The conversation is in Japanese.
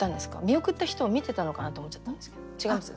見送った人を見てたのかなって思っちゃったんですけど違います？